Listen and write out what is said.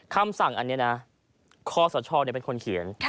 คำสั่งอันนี้นะคอสชเป็นคนเขียน